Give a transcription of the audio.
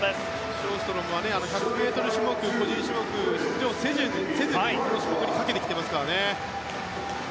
ショーストロムは１００ｍ種目、個人種目に出場せずにこの種目にかけてきてますからね。